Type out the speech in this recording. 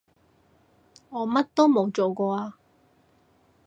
我乜都冇做過啊